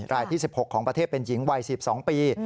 ที่๑๖ของประเทศเป็นหญิงวัย๑๒ปี